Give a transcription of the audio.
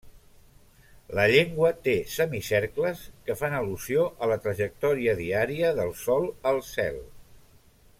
La llengua té semicercles que fan al·lusió a la trajectòria diària del Sol al cel.